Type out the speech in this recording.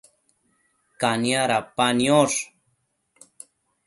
Cania dapa niosh